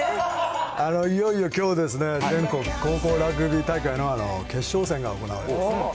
いよいよきょうですね、全国高校ラグビー大会の決勝戦が行われます。